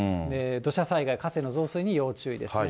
土砂災害、河川の増水に要注意ですね。